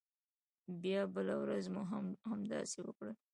بیا بله ورځ مو هم همداسې وکړل.